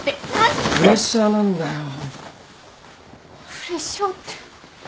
プレッシャーって。